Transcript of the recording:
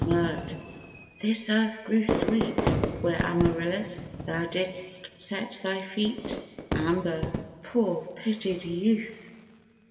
MIRT. This earth grew sweet Where, Amarillis, thou didst set thy feet. AMBO Poor pitied youth!